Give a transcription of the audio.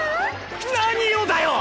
何をだよ！